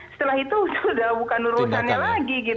setelah itu sudah bukan urusannya lagi